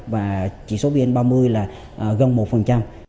và chỉ số vn ba mươi là gần một